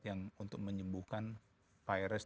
yang untuk menyembuhkan virus